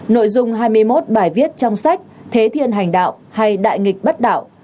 nội dung hai mươi một bài viết trong sách thế thiên hành đạo hay đại nghịch bất đạo